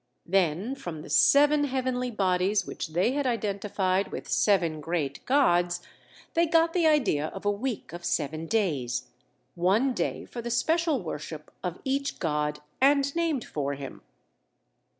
Then from the seven heavenly bodies which they had identified with seven great gods, they got the idea of a week of seven days, one day for the special worship of each god and named for him.